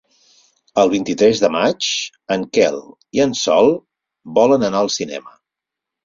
El vint-i-tres de maig en Quel i en Sol volen anar al cinema.